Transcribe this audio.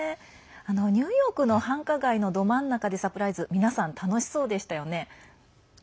ニューヨークの繁華街のど真ん中でサプライズ皆さん楽しそうでしたよね。